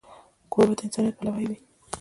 کوربه د انسانیت پلوی وي.